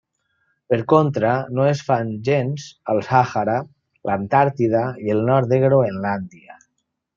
Per contra, no es fan gens al Sàhara, l'Antàrtida i el nord de Groenlàndia.